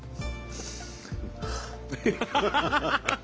ハハハハ！